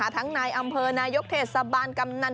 ทั้งนายอำเภอนายกเทศบาลกำนัน